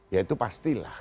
ya itu pastilah